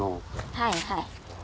はいはい。